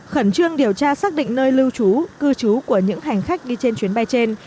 khẩn trương điều tra xác định nơi lưu trú cư trú của những hành khách đi trên chuyến bay trên